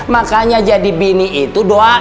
makanya jadi bini itu doa